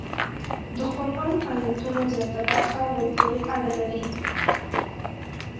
د قران ایتونو زیاته برخه ورپورې اړه لري.